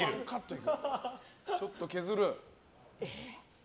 ちょっと削る。